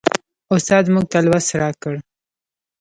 استاد موږ ته لوست راکړ.